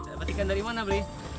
dapat ikan dari mana bri